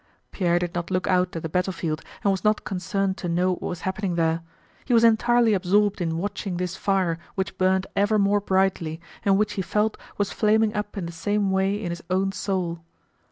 Pierre did not look out at the battlefield and was not concerned to know what was happening there; he was entirely absorbed in watching this fire which burned ever more brightly and which he felt was flaming up in the same way in his own soul.